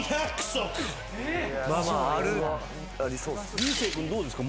流星君どうですか？